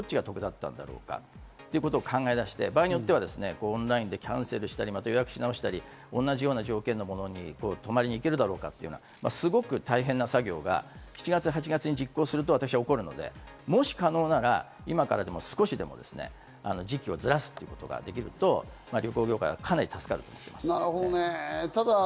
それでこれが出てくるとどっちが得だったのかっていうことを考え出して、場合によってはオンラインでキャンセルしたり、予約しなおしたり、同じような条件のものに泊まりに行けるのだろうかと、すごく大変な作業が７月・８月に実行すると怒るので、もし可能なら少しでも時期をずらすとことができると旅行業界はかなり助かると思います。